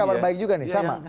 kabar baik juga nih sama